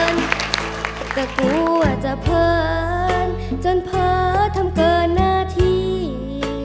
ก็อยากดูแลให้มาตรงนี้เหลือเกิน